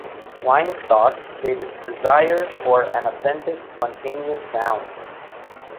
Weinstock stated a desire for an authentic, spontaneous sound.